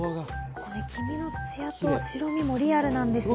これ黄身のツヤと白身もリアルなんですよ。